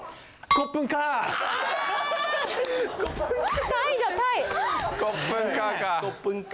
コップンカーか。